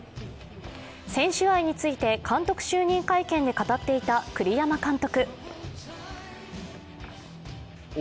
選手愛について、監督就任会見で語っていた栗山監督。